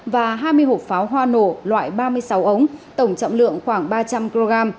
và hai mươi hộp pháo hoa nổ loại ba mươi sáu ống tổng trọng lượng khoảng ba trăm linh kg